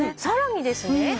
さらにですね